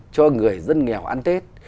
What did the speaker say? cho người dân nghèo ăn tết